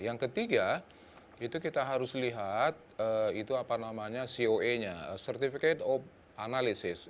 yang ketiga itu kita harus lihat itu apa namanya coe nya certificate of analysis